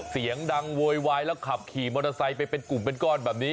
เสียงดังโวยวายแล้วขับขี่มอเตอร์ไซค์ไปเป็นกลุ่มเป็นก้อนแบบนี้